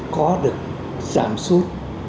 có được giảm sút